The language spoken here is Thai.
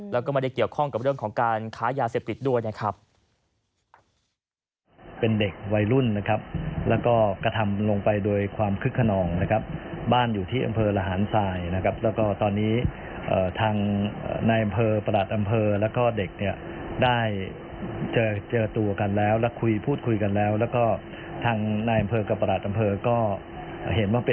แล้วก็ไม่ได้เกี่ยวข้องกับเรื่องของการค้ายาเสพติดด้วยนะครับ